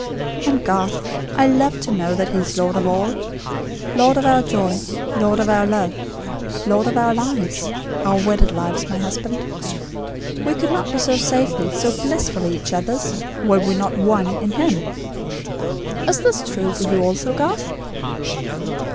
And Garth, I love to know that He is Lord of All Lord of our joy; Lord of our love; Lord of our lives our wedded lives, my husband. We could not be so safely, so blissfully, each other's, were we not ONE, IN HIM. Is this true for you also, Garth?"